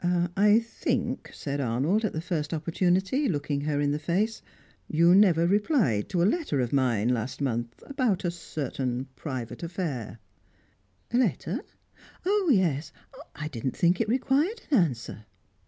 "I think," said Arnold, at the first opportunity, looking her in the face, "you never replied to a letter of mine last month about a certain private affair?" "A letter? Oh, yes. I didn't think it required an answer."